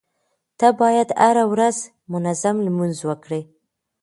ته بايد هره ورځ منظم لمونځ وکړې.